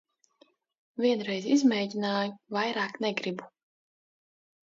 Vienreiz izmēģināju, vairāk negribu.